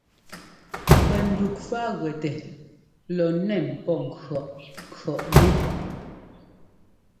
Pɛ ndufáguɛtɛ lɔ nɛ́n pɔ ŋkʉ̈ʼŋkʉ̈ʼnɛ́.